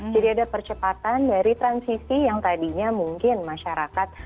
jadi ada percepatan dari transisi yang tadinya mungkin masyarakat